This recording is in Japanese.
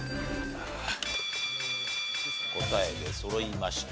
答え出そろいました。